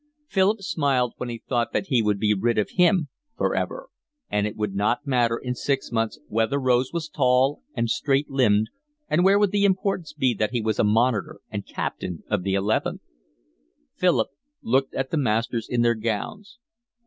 Philip smiled when he thought that he would be rid of him for ever, and it would not matter in six months whether Rose was tall and straight limbed; and where would the importance be that he was a monitor and captain of the eleven? Philip looked at the masters in their gowns.